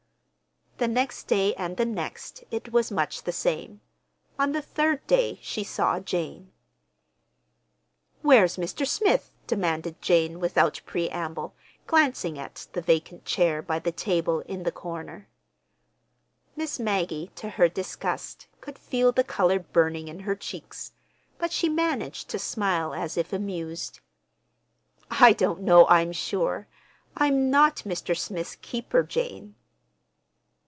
The next day and the next it was much the same. On the third day she saw Jane. "Where's Mr. Smith?" demanded Jane, without preamble, glancing at the vacant chair by the table in the corner. Miss Maggie, to her disgust, could feel the color burning in her cheeks; but she managed to smile as if amused. "I don't know, I'm sure. I'm not Mr. Smith's keeper, Jane."